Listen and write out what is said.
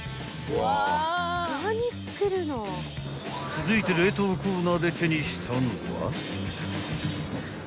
［続いて冷凍コーナーで手にしたのは］